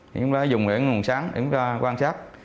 thì chúng ta dùng những cái nguồn sáng để chúng ta quan sát